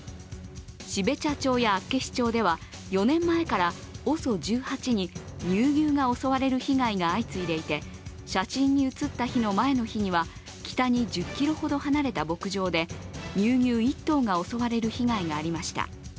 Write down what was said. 標茶町や厚岸町では４年前からＯＳＯ１８に乳牛が襲われる被害が相次いでいて写真に写った日の前の日には北に１０ｋｍほど離れた牧場で乳牛１頭が襲われる被害がありました。